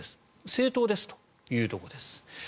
正当ですというところです。